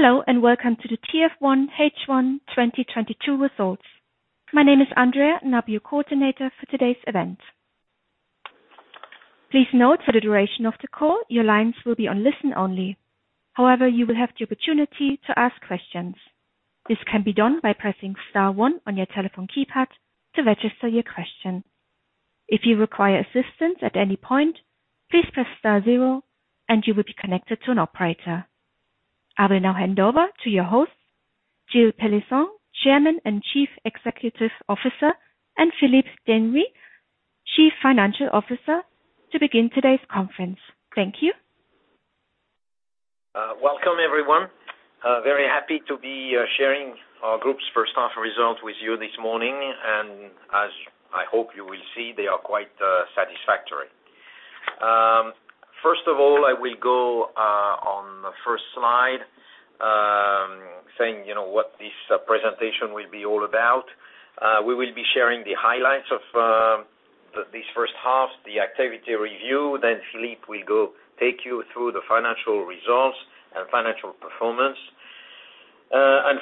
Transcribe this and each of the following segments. Hello, and welcome to the TF1 H1 2022 results. My name is Andrea, and I'll be your coordinator for today's event. Please note for the duration of the call, your lines will be on listen only. However, you will have the opportunity to ask questions. This can be done by pressing star one on your telephone keypad to register your question. If you require assistance at any point, please press star zero and you will be connected to an operator. I will now hand over to your host, Gilles Pélisson, Chairman and Chief Executive Officer, and Philippe Denery, Chief Financial Officer, to begin today's conference. Thank you. Welcome everyone. Very happy to be sharing our group's first half results with you this morning. As I hope you will see, they are quite satisfactory. First of all, I will go on the first slide, saying, you know what this presentation will be all about. We will be sharing the highlights of this first half, the activity review, then Philippe will go take you through the financial results and financial performance.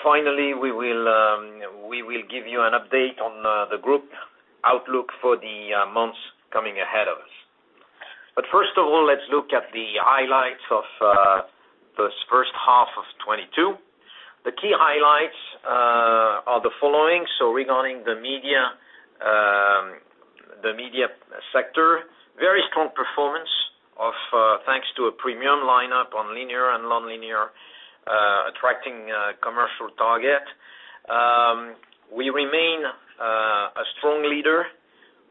Finally, we will give you an update on the group outlook for the months coming ahead of us. First of all, let's look at the highlights of this first half of 2022. The key highlights are the following. Regarding the media, the media sector, very strong performance of, thanks to a premium line-up on linear and non-linear, attracting commercial target. We remain a strong leader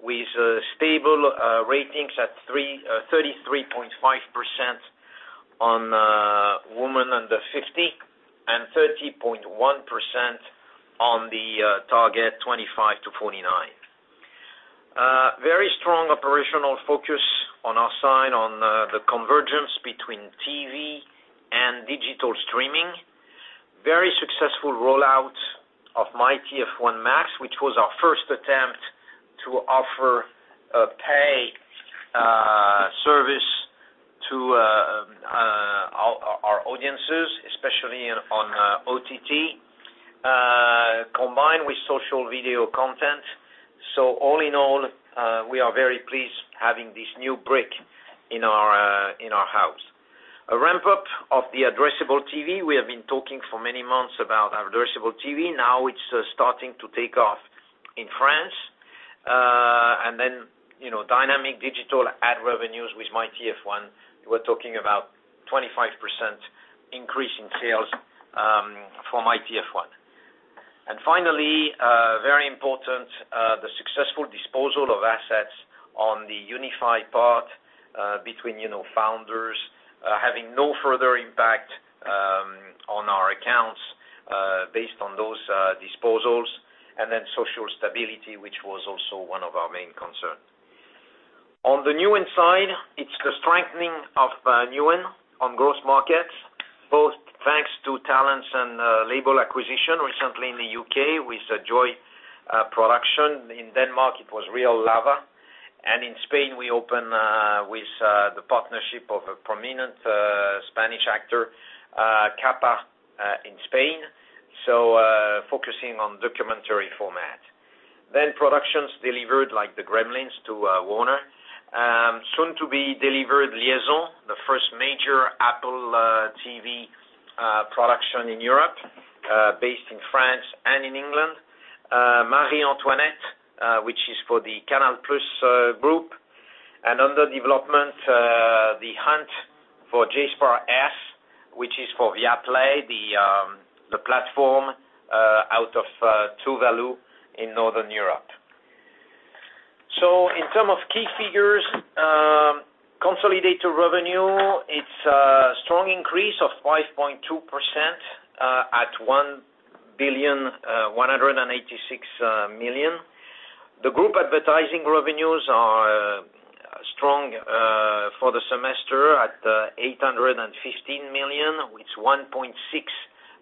with stable ratings at 33.5% on women under 50 and 30.1% on the target 25-49. Very strong operational focus on our side on the convergence between TV and digital streaming. Very successful rollout of MyTF1 Max, which was our first attempt to offer a pay service to our audiences, especially on OTT, combined with social video content. All in all, we are very pleased having this new brick in our house. A ramp-up of the addressable TV. We have been talking for many months about addressable TV. Now it's starting to take off in France. You know, dynamic digital ad revenues with MyTF1. We're talking about 25% increase in sales from MyTF1. Finally, very important, the successful disposal of assets on the non-core part between, you know, founders having no further impact on our accounts based on those disposals, and social stability, which was also one of our main concerns. On the Newen side, it's the strengthening of Newen on growth markets, both thanks to talents and label acquisition recently in the UK with Joi Productions. In Denmark, it was Real Lava. In Spain, we opened with the partnership of a prominent Spanish actor Capa Spain, focusing on documentary format. Productions delivered, like the Gremlins to Warner. Soon to be delivered, Liaison, the first major Apple TV+ production in Europe, based in France and in England. Marie Antoinette, which is for the Canal+ Group. Under development, The Hunt for Jasper S., which is for Viaplay, the platform out of Scandinavia in Northern Europe. In terms of key figures, consolidated revenue, it's a strong increase of 5.2% at 1,186 million. The group advertising revenues are strong for the semester at 815 million,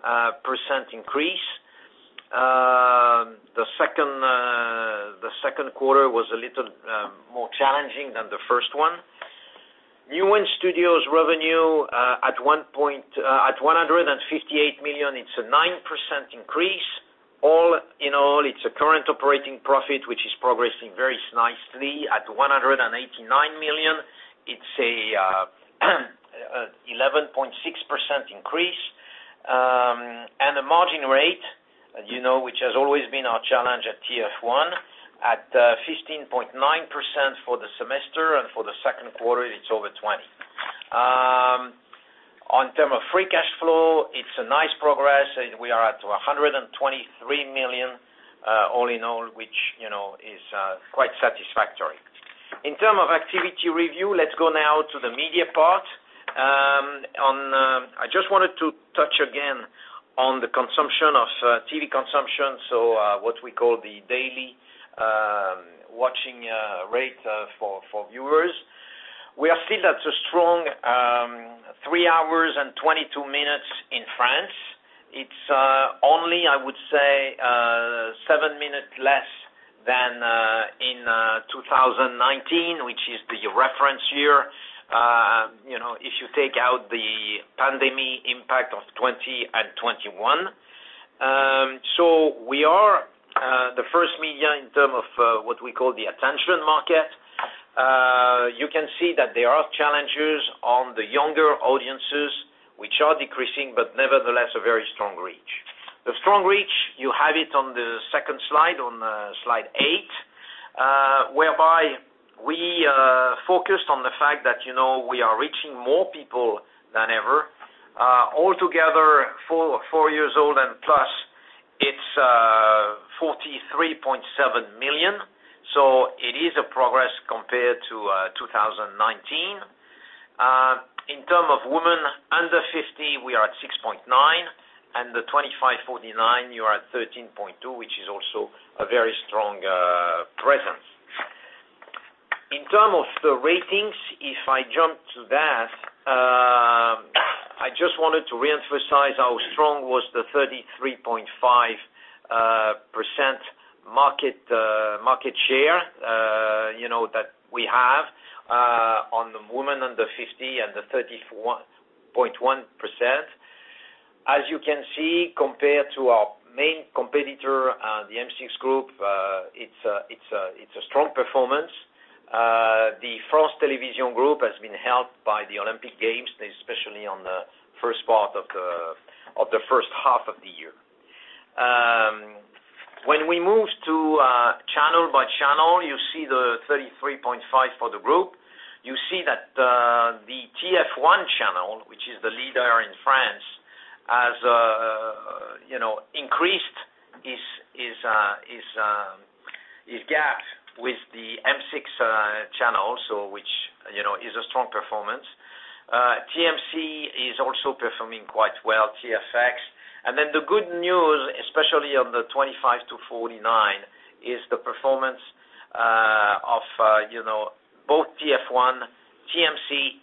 with 1.6% increase. The second quarter was a little more challenging than the first one. Newen Studios revenue at 158 million, it's a 9% increase. All in all, it's a current operating profit, which is progressing very nicely at 189 million. It's a 11.6% increase. The margin rate, you know, which has always been our challenge at TF1, at 15.9% for the semester and for the second quarter, it's over 20%. In terms of free cash flow, it's a nice progress. We are at 123 million, all in all, which you know, is quite satisfactory. In terms of activity review, let's go now to the media part. I just wanted to touch again on the consumption of TV consumption, so what we call the daily watching rate for viewers. We are still at a strong 3 hours and 22 minutes in France. It's 2019, which is the reference year, you know, if you take out the pandemic impact of 2020 and 2021. We are the first media in terms of what we call the attention market. You can see that there are challenges on the younger audiences, which are decreasing, but nevertheless, a very strong reach. The strong reach, you have it on the second slide, on slide eight, whereby we focused on the fact that, you know, we are reaching more people than ever. Altogether 4 years old and plus, it's 43.7 million. It is a progress compared to 2019. In terms of women under 50, we are at 6.9, and the 25-49, you are at 13.2, which is also a very strong presence. In terms of the ratings, if I jump to that, I just wanted to reemphasize how strong was the 33.5% market share, you know, that we have on the women under 50 and the 31.1%. As you can see, compared to our main competitor, the M6 Group, it's a strong performance. France Télévisions has been helped by the Olympic Games, especially on the first part of the first half of the year. When we move to channel by channel, you see the 33.5 for the group. You see that, the TF1 channel, which is the leader in France, has, you know, increased its gap with the M6 channel, which, you know, is a strong performance. TMC is also performing quite well, TFX. The good news, especially on the 25-49, is the performance of, you know, both TF1, TMC,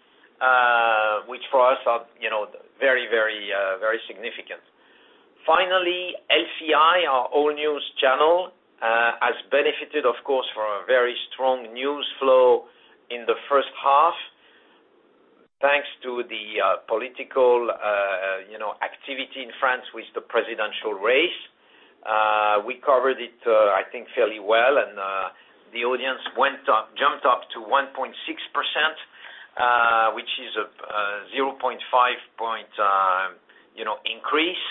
which for us are, you know, very significant. Finally, LCI, our all-news channel, has benefited, of course, from a very strong news flow in the first half, thanks to the political activity in France with the presidential race. We covered it, I think fairly well and, the audience went up, jumped up to 1.6%, which is a 0.5-point increase.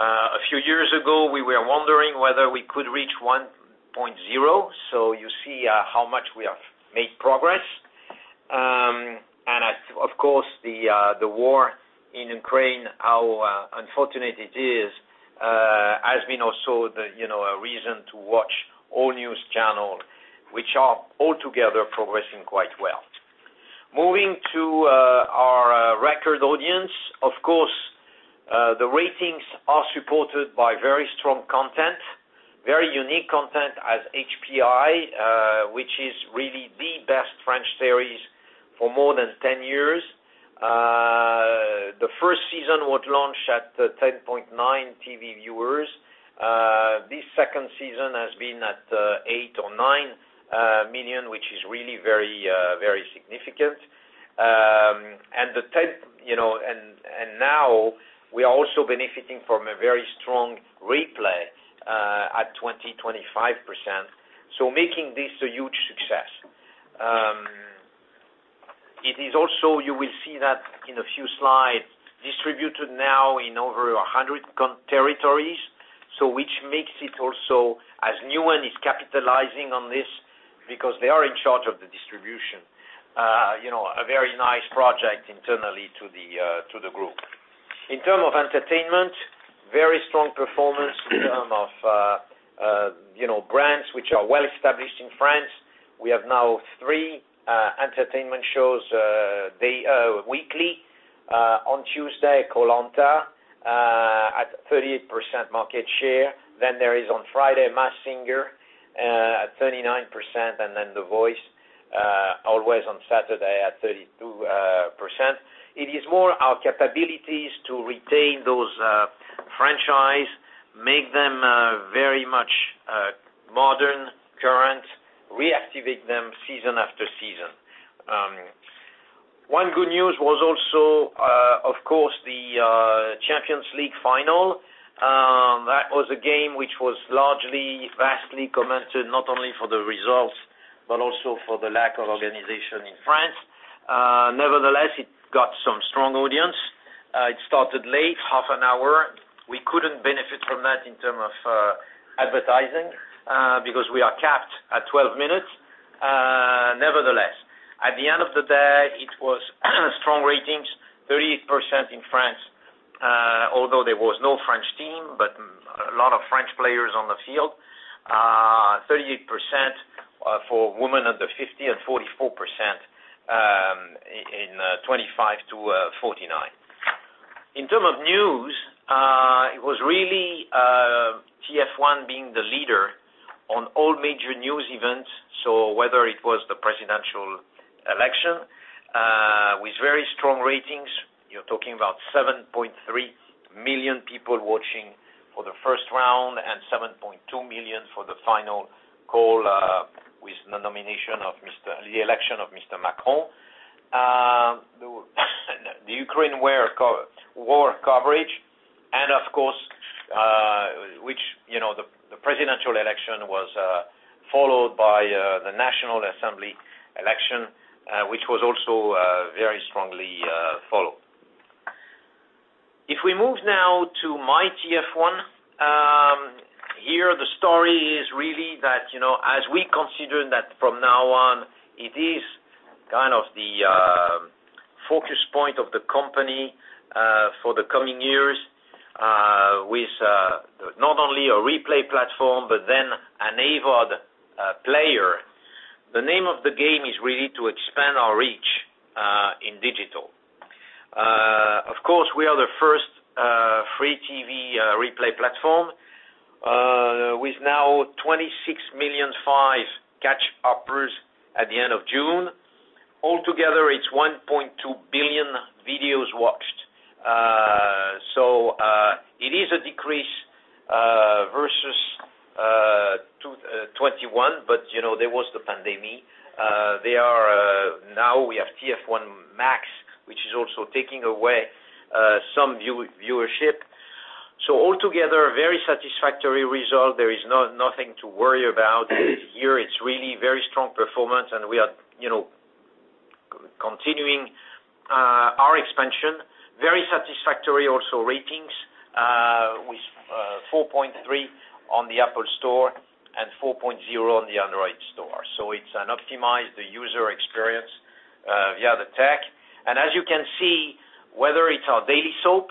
A few years ago, we were wondering whether we could reach 1.0, so you see, how much we have made progress. Of course, the war in Ukraine, how unfortunate it is, has been also the, you know, a reason to watch all-news channel, which are altogether progressing quite well. Moving to our record audience, of course, the ratings are supported by very strong content, very unique content as HPI, which is really the best French series for more than 10 years. The first season was launched at 10.9 TV viewers. This second season has been at 8 or 9 million, which is really very, very significant. Now we are also benefiting from a very strong replay at 25%. Making this a huge success. It is also, you will see that in a few slides, distributed now in over 100 countries, which makes it also, as Newen is capitalizing on this because they are in charge of the distribution, a very nice project internally to the group. In terms of entertainment, very strong performance in terms of brands which are well-established in France. We have now three entertainment shows weekly. On Tuesday, Koh-Lanta at 38% market share. Then there is on Friday, Mask Singer at 39%, and then The Voice always on Saturday at 32%. It is more our capabilities to retain those, franchise, make them, very much, modern, current, reactivate them season after season. One good news was also, of course, the Champions League final. That was a game which was largely, vastly commented, not only for the results, but also for the lack of organization in France. Nevertheless, it got some strong audience. It started late, half an hour. We couldn't benefit from that in terms of advertising, because we are capped at 12 minutes. Nevertheless, at the end of the day, it was strong ratings, 38% in France. Although there was no French team, but a lot of French players on the field. 38% for women under 50 and 44% in 25-49. In terms of news, it was really TF1 being the leader on all major news events. Whether it was the presidential election. Strong ratings. You're talking about 7.3 million people watching for the first round and 7.2 million for the final call with the election of Mr. Macron. The Ukraine war coverage and of course, which you know, the presidential election was followed by the National Assembly election, which was also very strongly followed. If we move now to MyTF1, here the story is really that you know, as we consider that from now on, it is kind of the focus point of the company for the coming years with not only a replay platform but then an AVOD player. The name of the game is really to expand our reach in digital. Of course, we are the first free TV replay platform with now 26.5 million catch-uppers at the end of June. Altogether, it's 1.2 billion videos watched. It is a decrease versus 2021, but you know, there was the pandemic. There are now we have TF1 Max, which is also taking away some viewership. Altogether, very satisfactory result. There is nothing to worry about. Here, it's really very strong performance, and we are, you know, continuing our expansion. Very satisfactory also ratings with 4.3 on the App Store and 4.0 on the Google Play Store. It's an optimized user experience via the tech. As you can see, whether it's our daily soap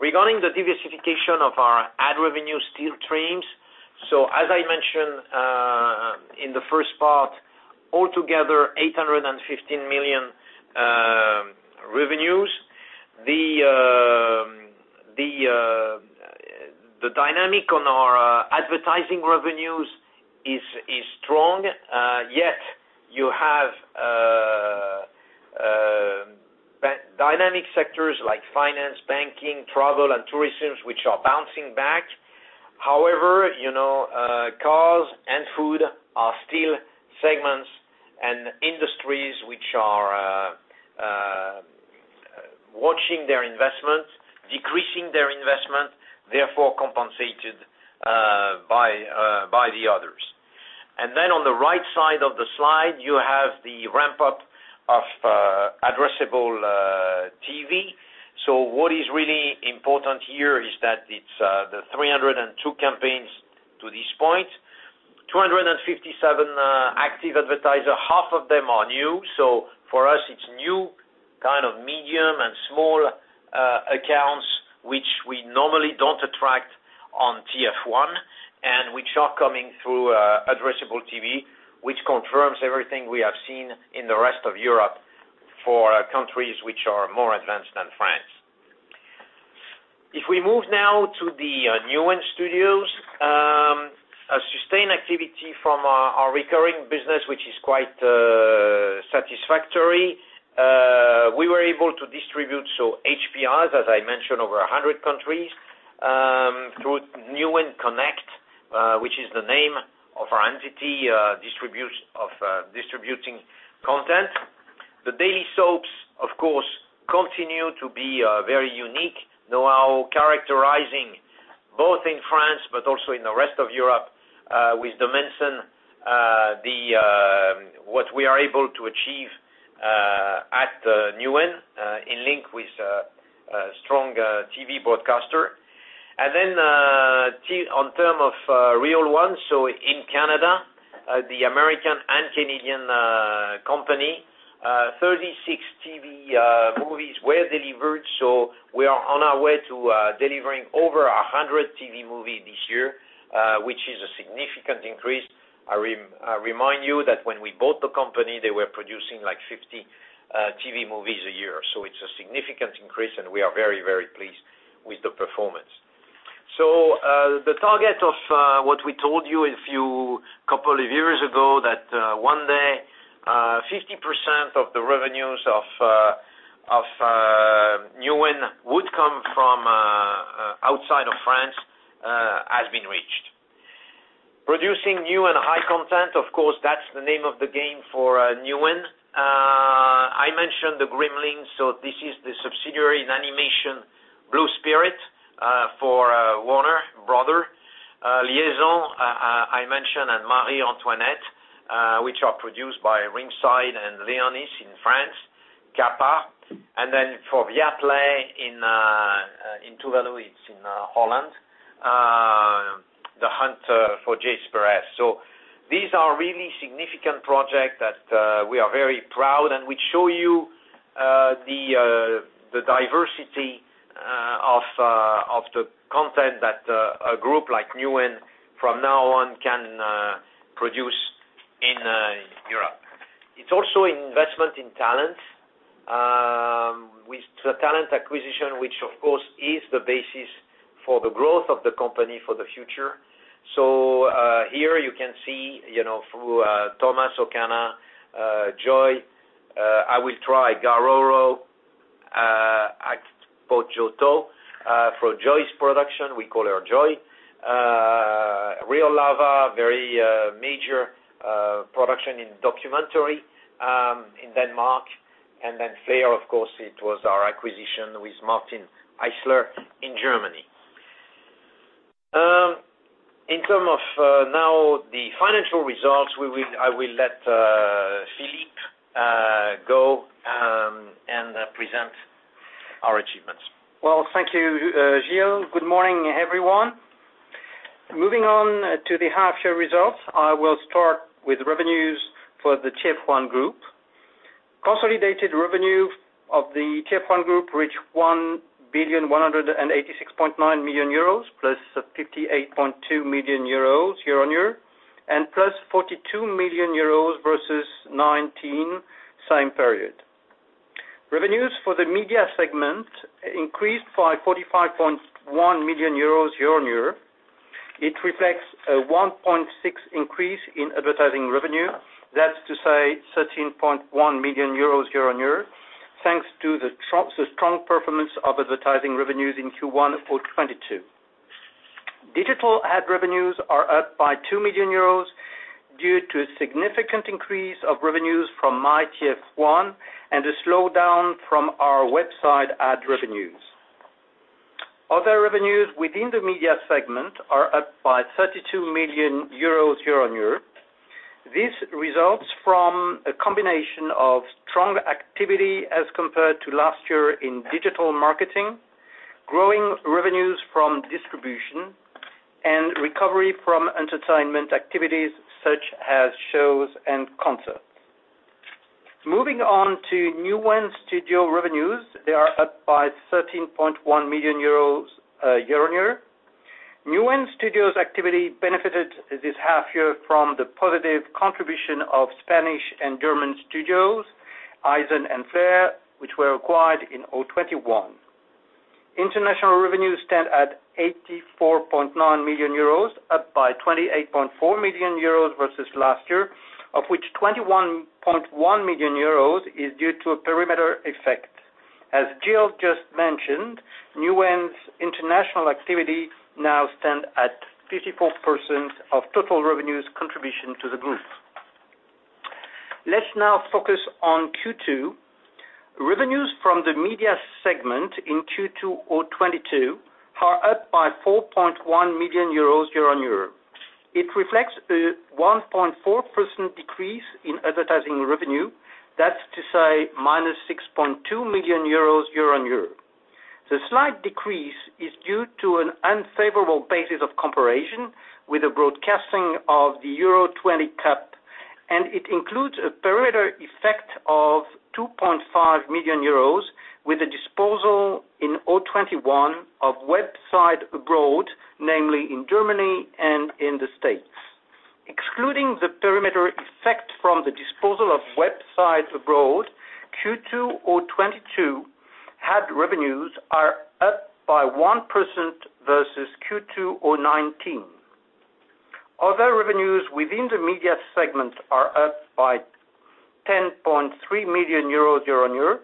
regarding the diversification of our ad revenue streams. As I mentioned in the first part, altogether 815 million revenues. The dynamic on our advertising revenues is strong, yet you have dynamic sectors like finance, banking, travel, and tourism, which are bouncing back. However, you know, cars and food are still segments and industries which are watching their investments, decreasing their investment, therefore compensated by the others. On the right side of the slide, you have the ramp-up of addressable TV. What is really important here is that it's the 302 campaigns to this point. 257 active advertisers, half of them are new. For us, it's new kind of medium and small accounts which we normally don't attract on TF1 and which are coming through addressable TV, which confirms everything we have seen in the rest of Europe for countries which are more advanced than France. If we move now to the Newen Studios, a sustained activity from our recurring business, which is quite satisfactory. We were able to distribute, so HPI's, as I mentioned, over 100 countries through Newen Connect, which is the name of our entity for distributing content. The daily soaps, of course, continue to be very unique, now characterizing both in France but also in the rest of Europe with the dimension of what we are able to achieve at Newen in line with a strong TV broadcaster. In terms of Reel One, in Canada, the American and Canadian company, 36 TV movies were delivered, so we are on our way to delivering over 100 TV movies this year, which is a significant increase. I remind you that when we bought the company, they were producing like 50 TV movies a year. It's a significant increase, and we are very, very pleased with the performance. The target of what we told you a few couple of years ago that one day 50% of the revenues of Newen would come from outside of France has been reached. Producing new and high content, of course, that's the name of the game for Newen. I mentioned the Gremlins, so this is the subsidiary in animation, Blue Spirit, for Warner Bros. Liaison, I mentioned, and Marie Antoinette, which are produced by Ringside and Léonis in France, Capa. For Viaplay in the Netherlands, it's in Holland, The Hunt for Jasper S. These are really significant projects that we are very proud and which show you the diversity of the content that a group like Newen from now on can produce in Europe. It's also investment in talent, with the talent acquisition, which of course, is the basis for the growth of the company for the future. Here you can see, you know, through Thomas Anargyros, Joy, I will try Gharoro-Akpojotor For Joi Productions, we call her Joy. Real Lava, very major production in documentary in Denmark. Then Flare, of course, it was our acquisition with Martin Heisler in Germany. In terms of now the financial results, I will let Philippe go and present our achievements. Well, thank you, Gilles. Good morning, everyone. Moving on to the half year results, I will start with revenues for the TF1 Group. Consolidated revenue of the TF1 Group reached 1,186.9 million euros, +58.2 million euros year-over-year, and +42 million euros versus 2019 same period. Revenues for the media segment increased by 45.1 million euros year-over-year. It reflects a 1.6% increase in advertising revenue. That's to say 13.1 million euros year-over-year, thanks to the strong performance of advertising revenues in Q1 for 2022. Digital ad revenues are up by 2 million euros due to a significant increase of revenues from MyTF1 and a slowdown from our website ad revenues. Other revenues within the media segment are up by 32 million euros year-over-year. This results from a combination of strong activity as compared to last year in digital marketing, growing revenues from distribution, and recovery from entertainment activities such as shows and concerts. Moving on to Newen Studios revenues, they are up by 13.1 million euros year-on-year. Newen Studios activity benefited this half year from the positive contribution of Spanish and German studios, iZen and Flare, which were acquired in 2021. International revenues stand at 84.9 million euros, up by 28.4 million euros versus last year, of which 21.1 million euros is due to a perimeter effect. As Gilles just mentioned, Newen's international activity now stand at 54% of total revenues contribution to the group. Let's now focus on Q2. Revenues from the media segment in Q2 2022 are up by 4.1 million euros year-on-year. It reflects a 1.4% decrease in advertising revenue. That's to say, minus 6.2 million euros year-on-year. The slight decrease is due to an unfavorable basis of comparison with the broadcasting of UEFA Euro 2020, and it includes a perimeter effect of 2.5 million euros with a disposal in 2021 of websites abroad, namely in Germany and in the States. Excluding the perimeter effect from the disposal of websites abroad, Q2 2022 revenues are up by 1% versus Q2 2019. Other revenues within the media segment are up by 10.3 million euros year-on-year,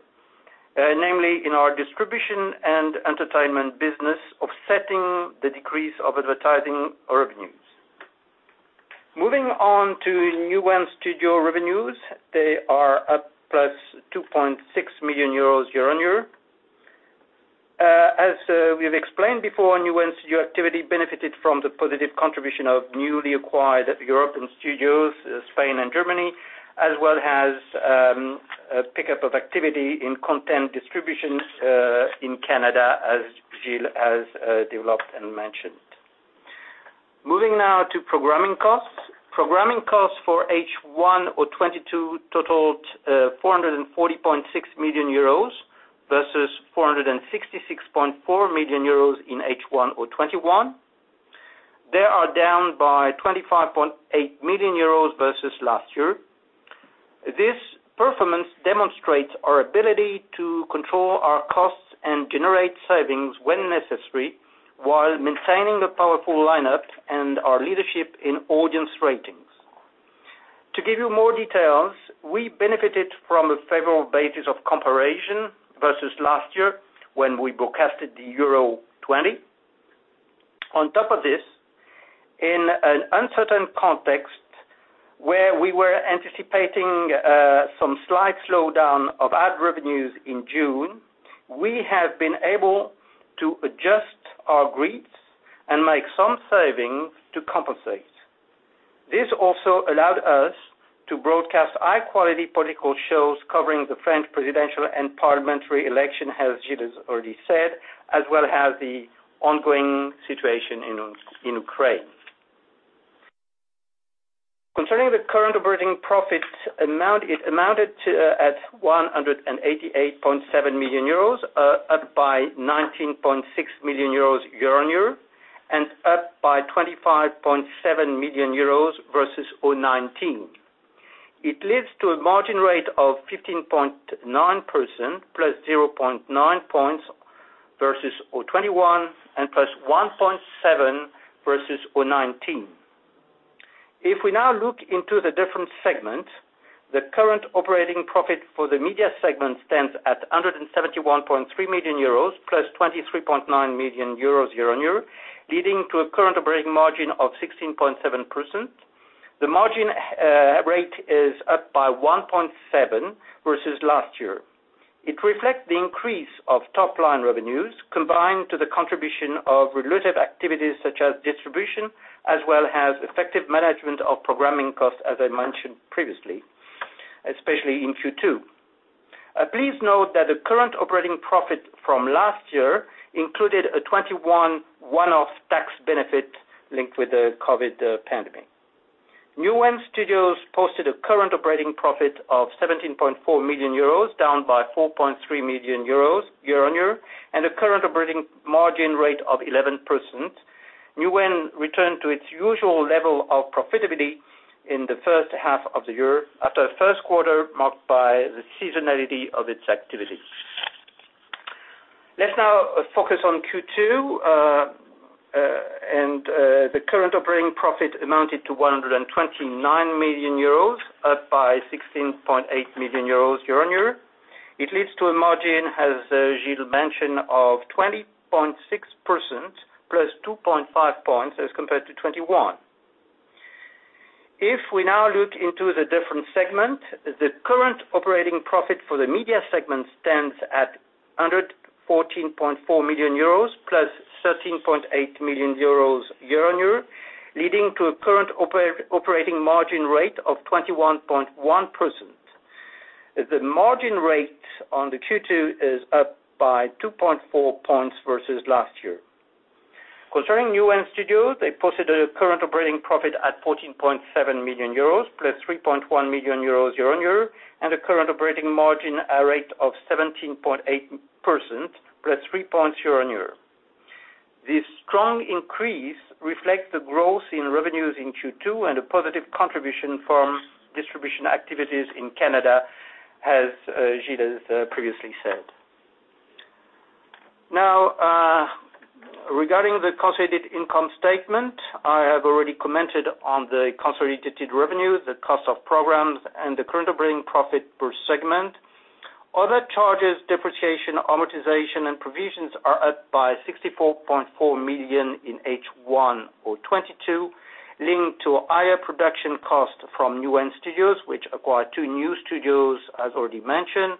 namely in our distribution and entertainment business, offsetting the decrease of advertising revenues. Moving on to Newen Studios revenues, they are up plus 2.6 million euros year-on-year. As we have explained before, Newen Studios activity benefited from the positive contribution of newly acquired European studios, Spain and Germany, as well as a pickup of activity in content distribution in Canada, as Gilles has developed and mentioned. Moving now to programming costs. Programming costs for H1 2022 totaled 440.6 million euros versus 466.4 million euros in H1 2021. They are down by 25.8 million euros versus last year. This performance demonstrates our ability to control our costs and generate savings when necessary, while maintaining a powerful lineup and our leadership in audience ratings. To give you more details, we benefited from a favorable basis of comparison versus last year when we broadcasted the Euro 2020. On top of this, in an uncertain context where we were anticipating some slight slowdown of ad revenues in June, we have been able to adjust our grids and make some savings to compensate. This also allowed us to broadcast high-quality political shows covering the French presidential and parliamentary election, as Gilles already said, as well as the ongoing situation in Ukraine. Concerning the current operating profit amount, it amounted to 188.7 million euros, up by 19.6 million euros year-on-year, and up by 25.7 million euros versus 2019. It leads to a margin rate of 15.9%, plus 0.9 points versus 2021 and plus 1.7 versus 2019. If we now look into the different segments, the current operating profit for the media segment stands at 171.3 million euros, +23.9 million euros year-on-year, leading to a current operating margin of 16.7%. The margin rate is up by 1.7 versus last year. It reflects the increase of top-line revenues combined to the contribution of related activities such as distribution, as well as effective management of programming costs, as I mentioned previously, especially in Q2. Please note that the current operating profit from last year included a 2021 one-off tax benefit linked with the COVID pandemic. Newen Studios posted a current operating profit of 17.4 million euros, down by 4.3 million euros year-on-year, and a current operating margin rate of 11%. Newen returned to its usual level of profitability in the first half of the year after a first quarter marked by the seasonality of its activity. Let's now focus on Q2. The current operating profit amounted to 129 million euros, up by 16.8 million euros year-on-year. It leads to a margin, as Gilles mentioned, of 20.6%, plus 2.5 points as compared to 2021. If we now look into the different segment, the current operating profit for the media segment stands at 114.4 million euros, plus 13.8 million euros year-on-year, leading to a current operating margin rate of 21.1%. The margin rate on the Q2 is up by 2.4 points versus last year. Concerning Newen Studios, they posted a current operating profit at 14.7 million euros, + 3.1 million euros year-on-year, and a current operating margin rate of 17.8%, +3 points year-on-year. This strong increase reflects the growth in revenues in Q2 and a positive contribution from distribution activities in Canada, as Gilles previously said. Now, regarding the consolidated income statement, I have already commented on the consolidated revenue, the cost of programs, and the current operating profit per segment. Other charges, depreciation, amortization, and provisions are up by 64.4 million in H1 2022, linked to higher production costs from Newen Studios, which acquired two new studios, as already mentioned,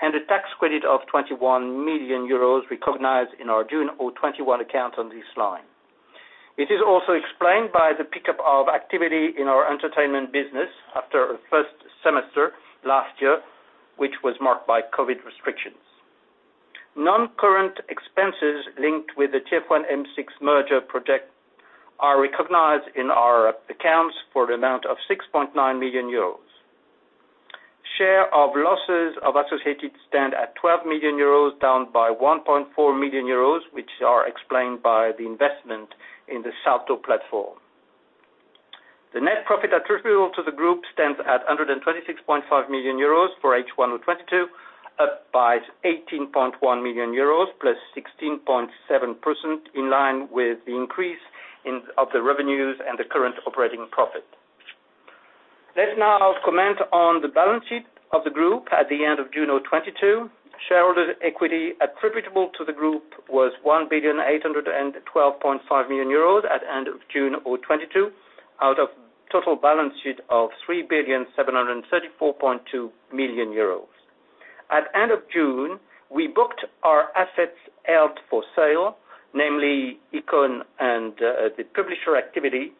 and a tax credit of 21 million euros recognized in our June 2021 accounts on this line. It is also explained by the pickup of activity in our entertainment business after a first semester last year, which was marked by COVID restrictions. Non-current expenses linked with the TF1 M6 merger project are recognized in our accounts for the amount of 6.9 million euros. Share of losses of associates stand at 12 million euros, down by 1.4 million euros, which are explained by the investment in the Salto platform. The net profit attributable to the group stands at 126.5 million euros for H1 2022, up by 18.1 million euros, +16.7%, in line with the increase in the revenues and the current operating profit. Let's now comment on the balance sheet of the group at the end of June 2022. Shareholder equity attributable to the group was 1,812.5 million euros at end of June 2022, out of total balance sheet of 3,734.2 million euros. At end of June, we booked our assets held for sale, namely Icon and the publisher activity,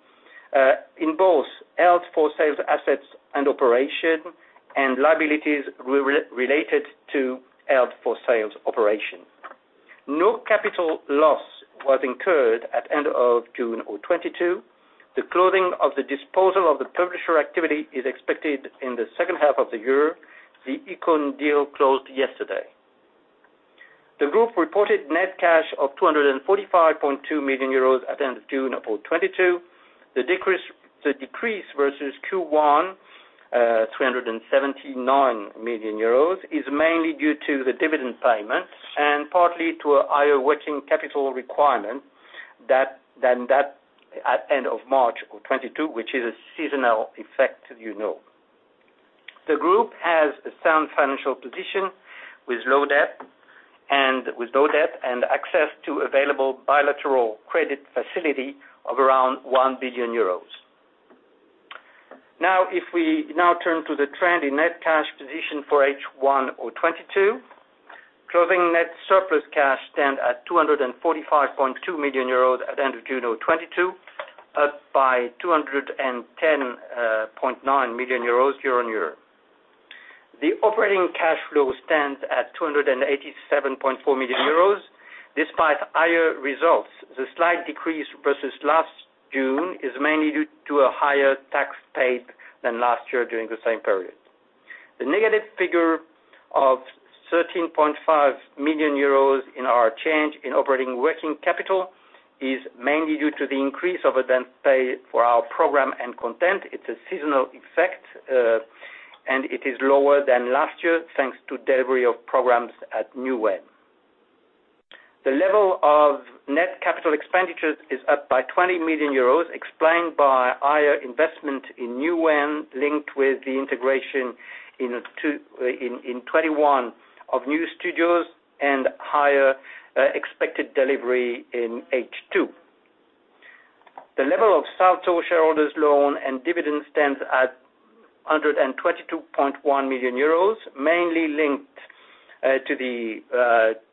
in both held for sale assets and operations and liabilities related to held for sale operations. No capital loss was incurred at end of June 2022. The closing of the disposal of the publisher activity is expected in the second half of the year. TheYkone deal closed yesterday. The group reported net cash of 245.2 million euros at the end of June 2022. The decrease versus Q1, 279 million euros, is mainly due to the dividend payments and partly to a higher working capital requirement than that at end of March 2022, which is a seasonal effect, as you know. The group has a sound financial position with no debt and access to available bilateral credit facility of around 1 billion euros. Now if we turn to the trend in net cash position for H1 2022, closing net surplus cash stands at 245.2 million euros at the end of June 2022, up by 210.9 million euros year-on-year. The operating cash flow stands at 287.4 million euros, despite higher results. The slight decrease versus last June is mainly due to a higher tax paid than last year during the same period. The negative figure of 13.5 million euros in our change in operating working capital is mainly due to the increase of advance payments for our program and content. It's a seasonal effect, and it is lower than last year, thanks to delivery of programs at Newen. The level of net capital expenditures is up by 20 million euros, explained by higher investment in Newen linked with the integration in 2021 of new studios and higher expected delivery in H2. The level of Salto shareholders' loan and dividend stands at 122.1 million euros, mainly linked to the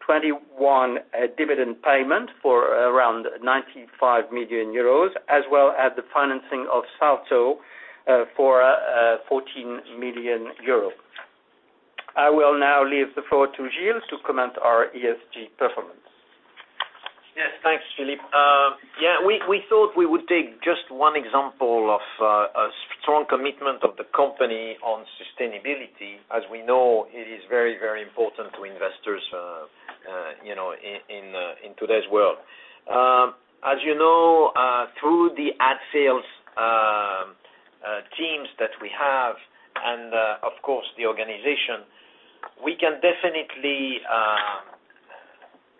2021 dividend payment for around 95 million euros, as well as the financing of Salto for 14 million euros. I will now leave the floor to Gilles to comment on our ESG performance. Yes, thanks, Philippe. We thought we would take just one example of a strong commitment of the company on sustainability. As we know, it is very important to investors in today's world. As you know, through the ad sales teams that we have and, of course, the organization, we can definitely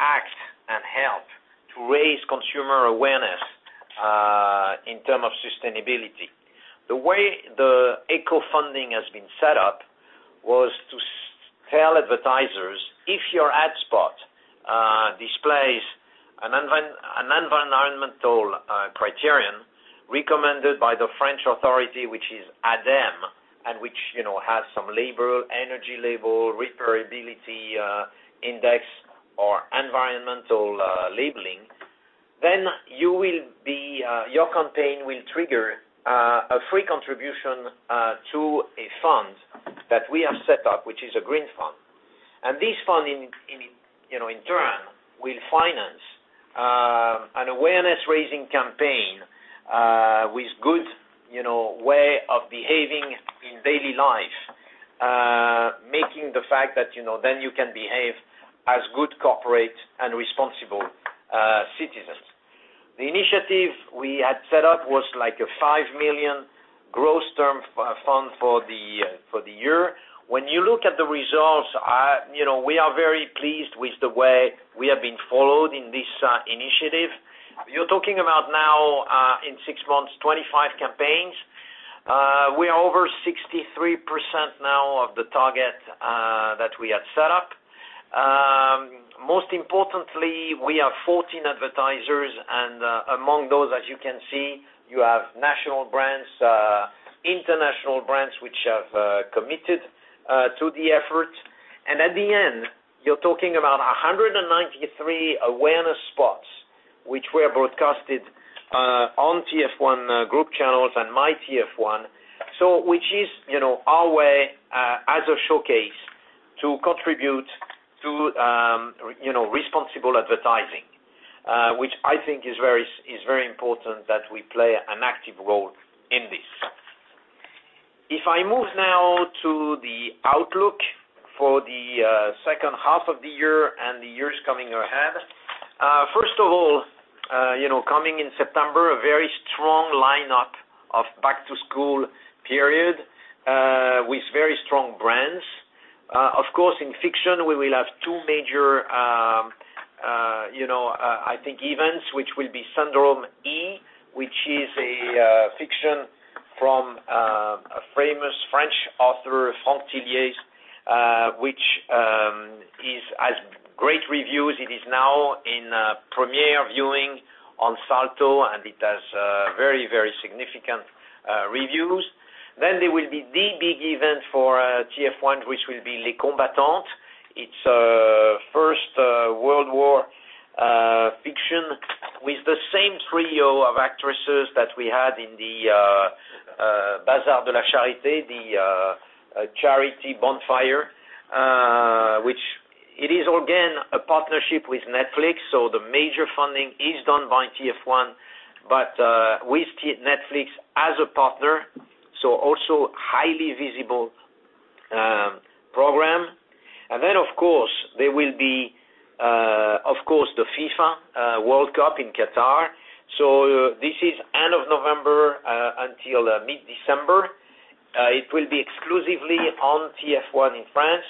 act and help to raise consumer awareness in terms of sustainability. The way the eco-funding has been set up was to sell advertisers, if your ad spot displays an environmental criterion recommended by the French authority, which is ADEME, and which, you know, has some label, energy label, repairability index, or environmental labeling, then you will be, your campaign will trigger a free contribution to a fund that we have set up, which is a green fund. This funding, you know, in turn will finance an awareness raising campaign with good, you know, way of behaving in daily life, making the fact that, you know, then you can behave as good corporate and responsible citizens. The initiative we had set up was like a 5 million gross term fund for the year. When you look at the results, you know, we are very pleased with the way we have been followed in this initiative. You're talking about now, in six months, 25 campaigns. We are over 63% now of the target that we had set up. Most importantly, we have 14 advertisers, and among those, as you can see, you have national brands, international brands, which have committed to the effort. At the end, you're talking about 193 awareness spots, which were broadcast on TF1 Group channels and MyTF1. Which is, you know, our way as a showcase to contribute to, you know, responsible advertising, which I think is very important that we play an active role in this. If I move now to the outlook for the second half of the year and the years coming ahead. First of all, you know, coming in September, a very strong lineup of back to school period with very strong brands. Of course, in fiction, we will have two major, you know, I think events, which will be Syndrome E, which is a fiction from a famous French author, Franck Thilliez, which has great reviews. It is now in premiere viewing on Salto, and it has very, very significant reviews. There will be the big event for TF1, which will be Les Combattantes. It's First World War fiction with the same trio of actresses that we had in the Bazar de la Charité, the charity bonfire, which it is again a partnership with Netflix, so the major funding is done by TF1, but with Netflix as a partner, so also highly visible program. There will be of course the FIFA World Cup in Qatar. This is end of November until mid-December. It will be exclusively on TF1 in France.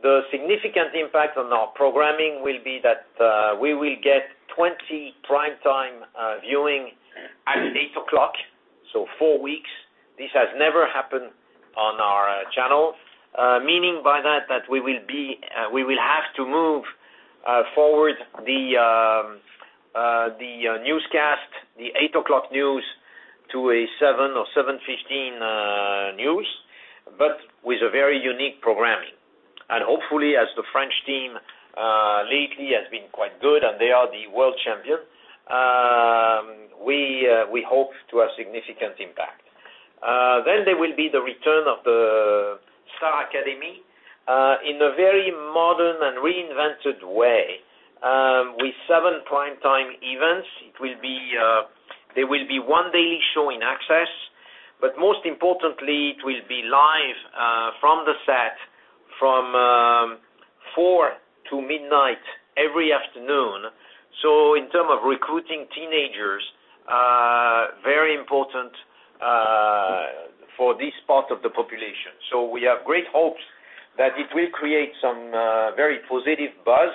The significant impact on our programming will be that we will get 20 prime time viewing at eight o'clock, so four weeks. This has never happened on our channel. Meaning by that we will be, we will have to move forward the newscast, the 8:00 P.M. news to a 7:00 P.M. or 7:15 P.M. news, but with a very unique programming. Hopefully, as the French team lately has been quite good and they are the world champion, we hope to have significant impact. There will be the return of the Star Academy in a very modern and reinvented way, with 7 prime time events. It will be, there will be one daily show in access, but most importantly, it will be live from the set from 4:00 P.M. to midnight every afternoon. In terms of recruiting teenagers, very important for this part of the population. We have great hopes that it will create some very positive buzz,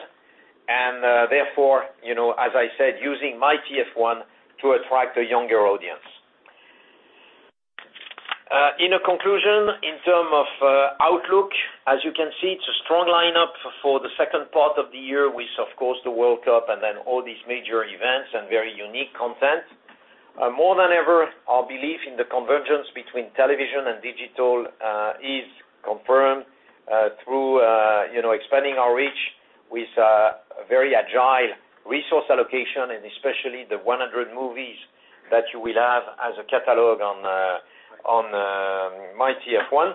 and therefore, you know, as I said, using MyTF1 to attract a younger audience. In conclusion, in terms of outlook, as you can see, it's a strong lineup for the second part of the year with, of course, the World Cup and then all these major events and very unique content. More than ever, our belief in the convergence between television and digital is confirmed through, you know, expanding our reach with a very agile resource allocation and especially the 100 movies that you will have as a catalog on MyTF1.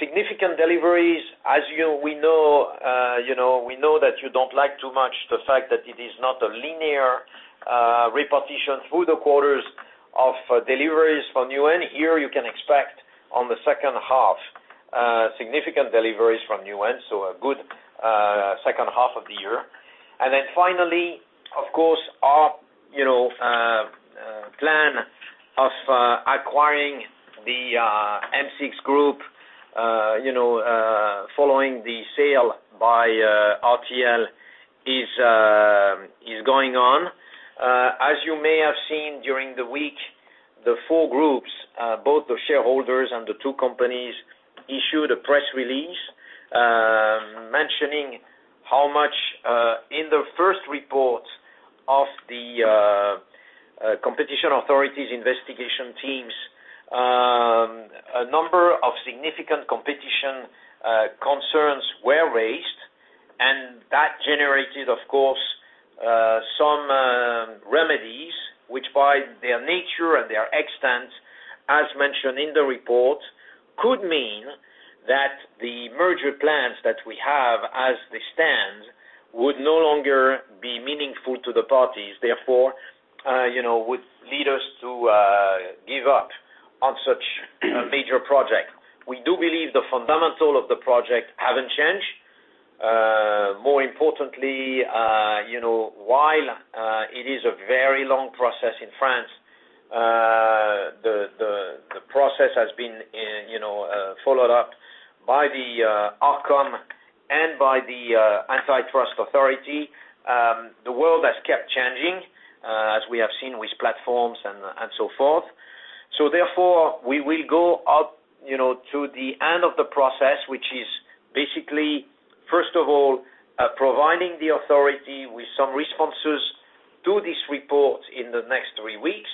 Significant deliveries, as you know, we know that you don't like too much the fact that it is not a linear repartition through the quarters of deliveries from Newen. Here you can expect in the second half significant deliveries from Newen, so a good second half of the year. Then finally, of course, our you know plan of acquiring the M6 Group, you know, following the sale by RTL is going on. As you may have seen during the week, the four groups, both the shareholders and the two companies, issued a press release, mentioning that in the first report of the competition authority's investigation teams, a number of significant competition concerns were raised, and that generated, of course. Their nature and their extent, as mentioned in the report, could mean that the merger plans that we have as they stand would no longer be meaningful to the parties, therefore, you know, would lead us to give up on such a major project. We do believe the fundamentals of the project haven't changed. More importantly, you know, while it is a very long process in France, the process has been, you know, followed up by the authorities and by the Antitrust Authority. The world has kept changing, as we have seen with platforms and so forth. Therefore, we will go out, you know, to the end of the process, which is basically, first of all, providing the authority with some responses to this report in the next three weeks.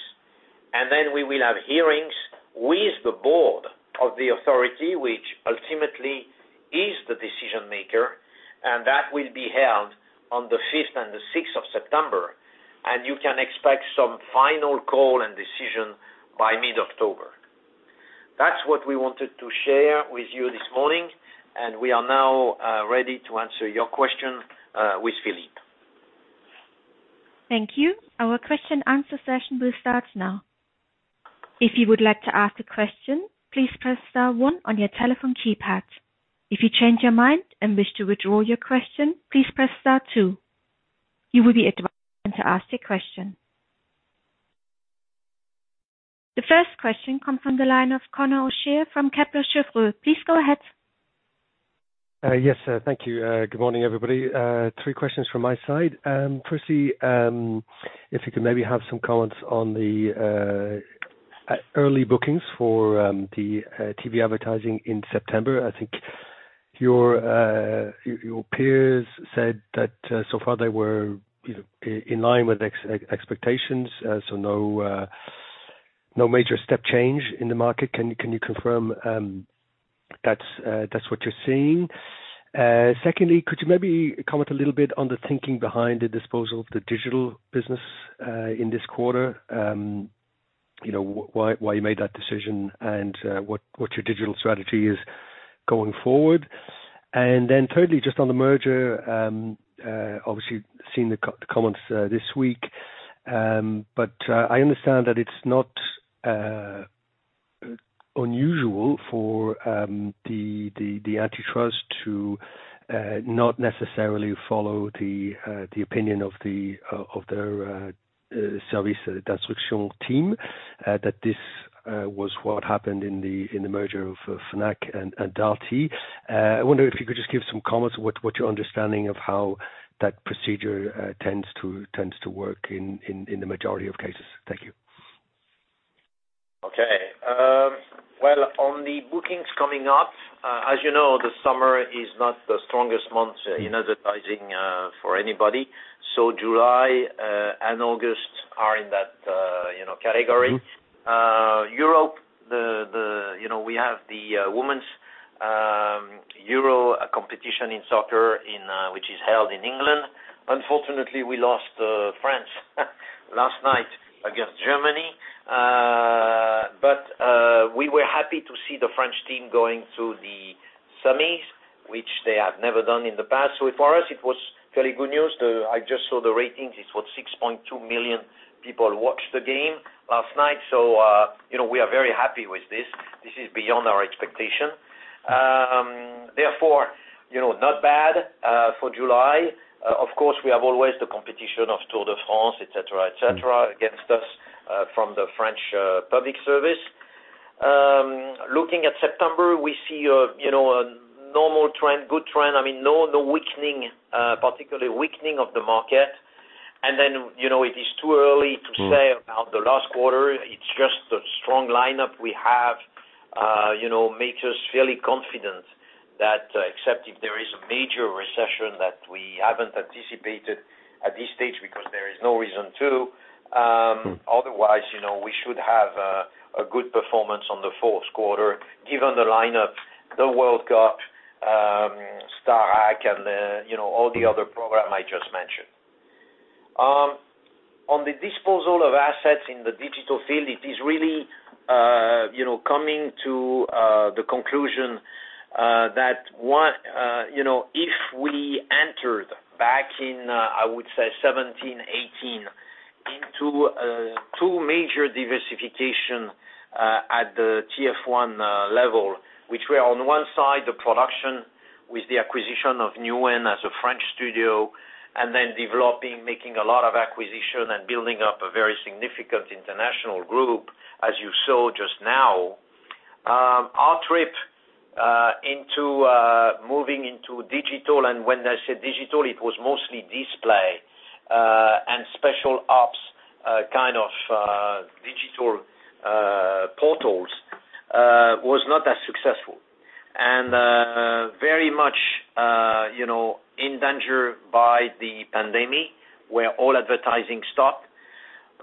We will have hearings with the board of the authority, which ultimately is the decision-maker, and that will be held on the fifth and the sixth of September. You can expect some final call and decision by mid-October. That's what we wanted to share with you this morning, and we are now ready to answer your question with Philippe. Thank you. Our question-answer session will start now. If you would like to ask a question, please press star one on your telephone keypad. If you change your mind and wish to withdraw your question, please press star two. You will be advised when to ask your question. The first question comes from the line of Conor O'Shea from Kepler Cheuvreux. Please go ahead. Yes, thank you. Good morning, everybody. Three questions from my side. Firstly, if you could maybe have some comments on the early bookings for the TV advertising in September. I think your peers said that so far they were, you know, in line with expectations, so no major step change in the market. Can you confirm that's what you're seeing? Secondly, could you maybe comment a little bit on the thinking behind the disposal of the digital business in this quarter? You know, why you made that decision and what your digital strategy is going forward. Thirdly, just on the merger, obviously seen the comments this week, but I understand that it's not unusual for the antitrust to not necessarily follow the opinion of their service d'instruction team, that this was what happened in the merger of Fnac and Darty. I wonder if you could just give some comments, what your understanding of how that procedure tends to work in the majority of cases. Thank you. Okay. Well, on the bookings coming up, as you know, the summer is not the strongest months in advertising, for anybody. July and August are in that, you know, category. Mm-hmm. Europe. You know, we have the women's Euro competition in soccer, which is held in England. Unfortunately, we lost France last night against Germany. We were happy to see the French team going to the semis, which they have never done in the past. For us, it was fairly good news. I just saw the ratings. It was 6.2 million people watched the game last night. You know, we are very happy with this. This is beyond our expectation. Therefore, you know, not bad for July. Of course, we have always the competition of Tour de France, et cetera, et cetera. Mm-hmm. against us from the French public service. Looking at September, we see a normal trend, good trend. No weakening, particularly of the market. It is too early to say. Mm. About the last quarter. It's just the strong lineup we have, you know, makes us fairly confident that except if there is a major recession that we haven't anticipated at this stage because there is no reason to. Mm. Otherwise, you know, we should have a good performance on the fourth quarter given the lineup, the World Cup, Star Academy and you know, all the other program I just mentioned. On the disposal of assets in the digital field, it is really you know, coming to the conclusion that you know, if we entered back in I would say 2017, 2018 into two major diversification at the TF1 level, which were on one side, the production with the acquisition of Newen as a French studio, and then developing, making a lot of acquisition and building up a very significant international group, as you saw just now. Our trip into moving into digital, and when I say digital, it was mostly display and special ops kind of digital portals was not as successful. Very much, you know, endangered by the pandemic, where all advertising stopped.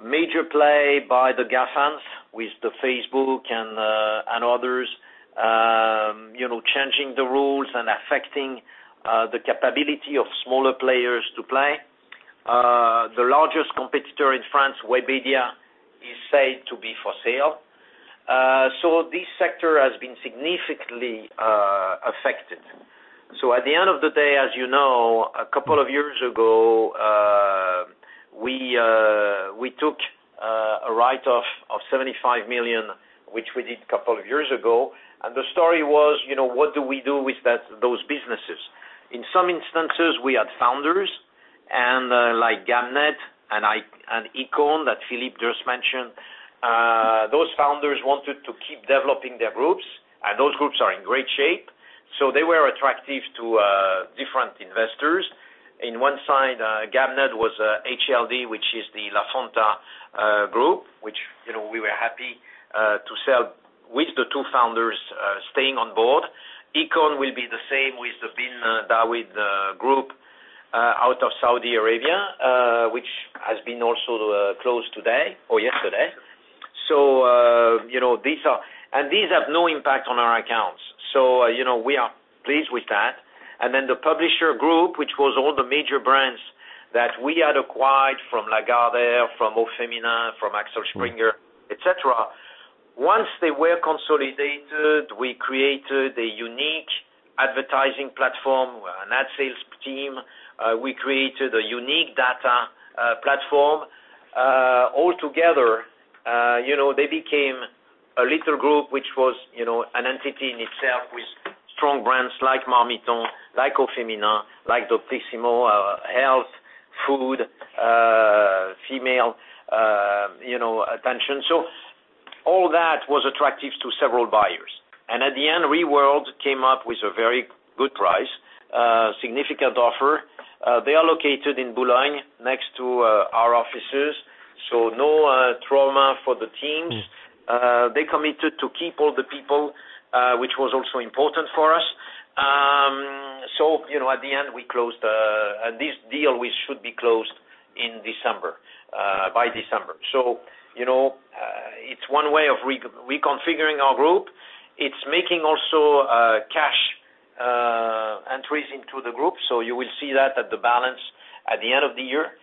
Major play by the GAFAMs with Facebook and others, changing the rules and affecting the capability of smaller players to play. The largest competitor in France, Webedia, is said to be for sale. This sector has been significantly affected. At the end of the day, as you know, a couple of years ago, we took a write-off of 75 million, which we did couple of years ago. The story was, you know, what do we do with that, those businesses. In some instances, we had founders and, like Gamned! and Ykone that Philippe just mentioned. Those founders wanted to keep developing their groups, and those groups are in great shape. They were attractive to different investors. On one side, Gamned! was HLD, which is the Lafonta Group, which, you know, we were happy to sell with the two founders staying on board. Ykone will be the same with the BinDawood Group out of Saudi Arabia, which has also been closed today or yesterday. You know, these have no impact on our accounts. You know, we are pleased with that. Then the publisher group, which was all the major brands that we had acquired from Lagardère, from aufeminin, from Axel Springer, et cetera. Once they were consolidated, we created a unique advertising platform, an ad sales team. We created a unique data platform. All together, you know, they became a little group, which was, you know, an entity in itself with strong brands like Marmiton, like aufeminin, like Doctissimo, health, food, female, you know, attention. All that was attractive to several buyers. At the end, Reworld came up with a very good price, significant offer. They are located in Boulogne, next to our offices, so no trauma for the teams. They committed to keep all the people, which was also important for us. You know, at the end, we closed this deal, which should be closed in December, by December. You know, it's one way of reconfiguring our group. It's making also cash entries into the group, so you will see that on the balance sheet at the end of the year.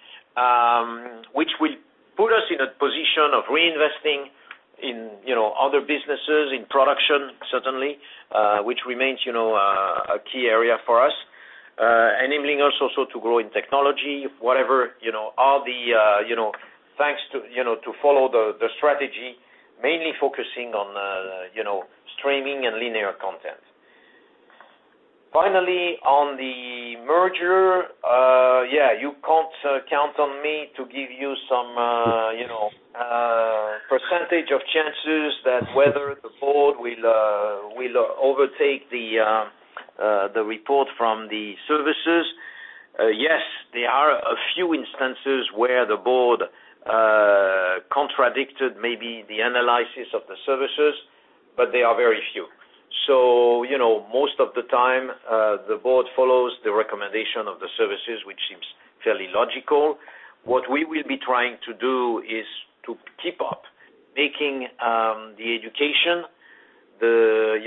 Which will put us in a position of reinvesting in, you know, other businesses, in production, certainly, which remains, you know, a key area for us. Enabling us also to grow in technology, whatever, you know, all the, you know. Thanks to, you know, to follow the strategy, mainly focusing on, you know, streaming and linear content. Finally, on the merger, you can't count on me to give you some, you know, percentage of chances that whether the board will override the report from the services. Yes, there are a few instances where the board contradicted maybe the analysis of the services, but they are very few. You know, most of the time, the board follows the recommendation of the services, which seems fairly logical. What we will be trying to do is to keep up making, you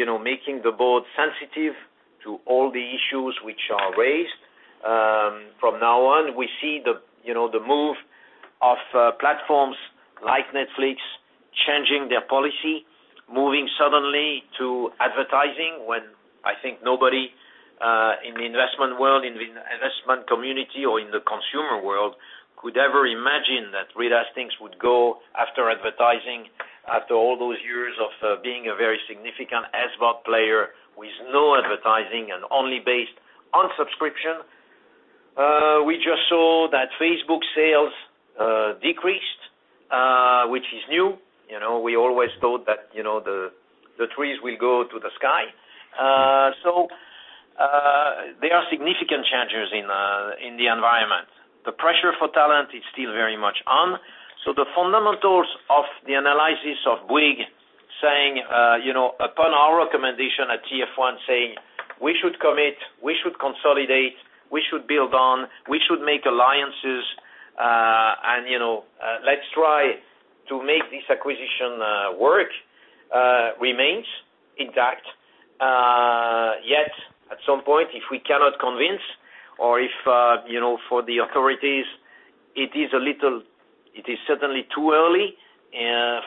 know, making the board sensitive to all the issues which are raised. From now on, we see, you know, the move of platforms like Netflix changing their policy, moving suddenly to advertising, when I think nobody in the investment world, in the investment community or in the consumer world, could ever imagine that Reed Hastings would go after advertising after all those years of being a very significant SVOD player with no advertising and only based on subscription. We just saw that Facebook sales decreased, which is new. You know, we always thought that, you know, the trees will go to the sky. There are significant changes in the environment. The pressure for talent is still very much on. The fundamentals of the analysis of Bouygues saying, you know, upon our recommendation at TF1, saying we should commit, we should consolidate, we should build on, we should make alliances, and, you know, let's try to make this acquisition work, remains intact. Yet, at some point, if we cannot convince or if, you know, for the authorities, it is certainly too early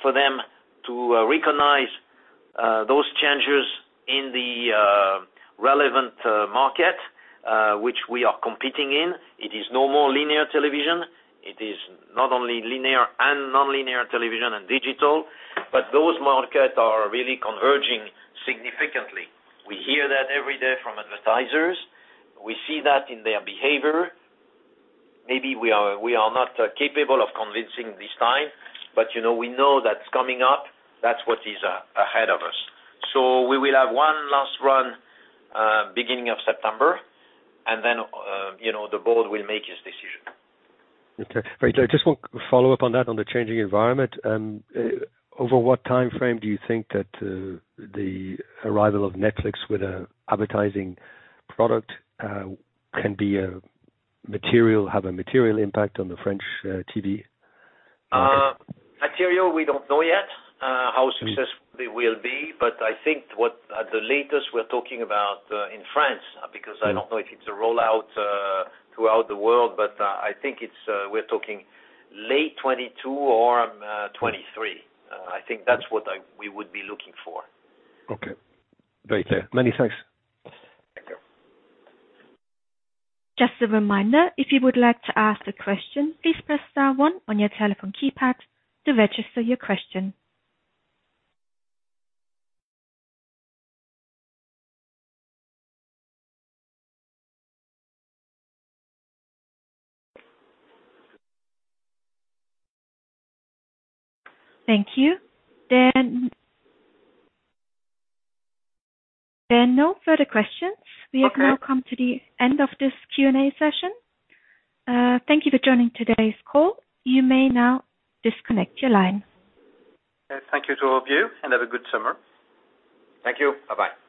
for them to recognize those changes in the relevant market which we are competing in. It is no more linear television. It is not only linear and nonlinear television and digital, but those markets are really converging significantly. We hear that every day from advertisers. We see that in their behavior. Maybe we are not capable of convincing this time, but, you know, we know that's coming up. That's what is ahead of us. We will have one last run, beginning of September, and then, you know, the board will make its decision. Okay. Very good. Just one follow-up on that on the changing environment. Over what timeframe do you think that the arrival of Netflix with an advertising product can have a material impact on the French TV? Material, we don't know yet how successful they will be. I think what, at the latest, we're talking about in France, because I don't know if it's a rollout throughout the world, but I think we're talking late 2022 or 2023. I think that's what we would be looking for. Okay. Very clear. Many thanks. Thank you. Just a reminder, if you would like to ask a question, please press star one on your telephone keypad to register your question. Thank you. There are no further questions. Okay. We have now come to the end of this Q&A session. Thank you for joining today's call. You may now disconnect your line. Okay. Thank you to all of you, and have a good summer. Thank you. Bye-bye.